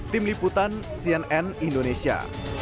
tim liputan cnn indonesia